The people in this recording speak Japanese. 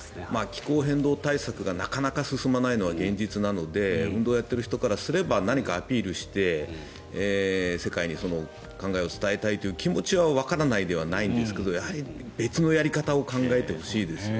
気候変動対策がなかなか進まないのは現実なので運動やっている人からすれば何かアピールして、世界に考えを伝えたいという気持ちはわからないではないんですが別のやり方を考えてほしいです。